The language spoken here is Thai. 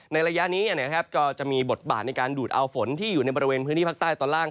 ระยะนี้ก็จะมีบทบาทในการดูดเอาฝนที่อยู่ในบริเวณพื้นที่ภาคใต้ตอนล่าง